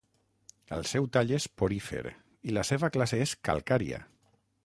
El seu tall és porífer i la seva classe és calcària.